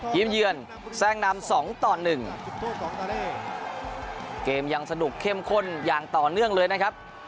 ยิ้มเยือนแทร่งน้ำ๒ต่อ๑เกมยังสนุกเข้มข้นอย่างต่อเนื่องเลยนะรับ